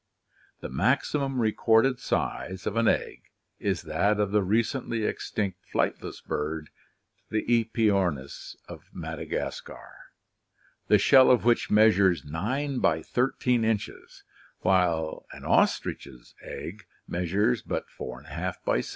The maximum recorded size of an egg is that of the recently extinct flightless bird, the aepyomis of Madagascar, the shell of which measures 9 by 13 inches, while an ostrich's egg measures but 4}^ by 6.